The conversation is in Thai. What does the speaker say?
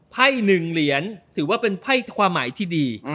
ไพ่๑เหรียญถือว่าเป็นไพ่ความหมายที่ดี